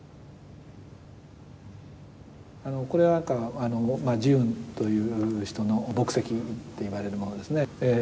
これは慈雲という人の墨跡と言われるものですね。